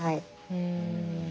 うん。